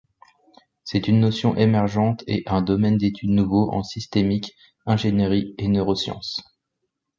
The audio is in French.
C'est une notion émergente et un domaine d'étude nouveau en systémique, ingénierie et neurosciences.